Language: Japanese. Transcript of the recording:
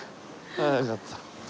はあよかった。